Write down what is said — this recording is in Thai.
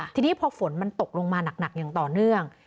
ทีนี้พอฝนมันตกลงมาหนักอย่างต่อเนื่อง